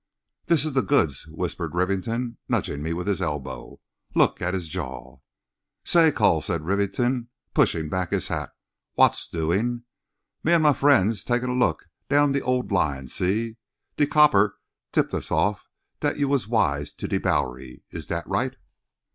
"This is the goods," whispered Rivington, nudging me with his elbow. "Look at his jaw!" "Say, cull," said Rivington, pushing back his hat, "wot's doin'? Me and my friend's taking a look down de old line—see? De copper tipped us off dat you was wise to de bowery. Is dat right?"